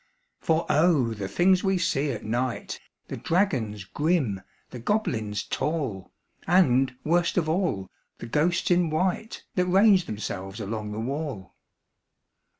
For O! the things we see at night The dragons grim, the goblins tall, And, worst of all, the ghosts in white That range themselves along the wall!